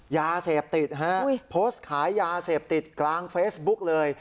ยาเสพติดฮะโพสต์ขายยาเสพติดกลางเฟซบุ๊กเลย